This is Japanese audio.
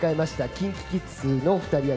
ＫｉｎＫｉＫｉｄｓのお二人や